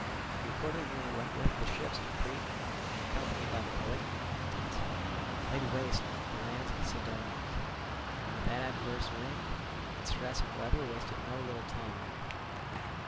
He accordingly went with the ships to Crete, and, accompanied by the Polichnitans, laid waste the lands of the Cydonians; and, what with adverse winds and stress of weather wasted no little time there.